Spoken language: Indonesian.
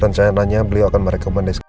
rencananya beliau akan merekomendasikan